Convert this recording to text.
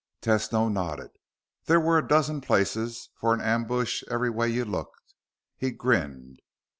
Tesno nodded. There were a dozen places for an ambush every way you looked. He grinned.